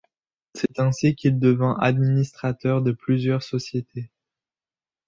C’est ainsi qu’il devint administrateur de plusieurs sociétés.